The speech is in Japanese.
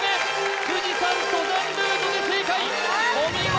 富士山登山ルートで正解お見事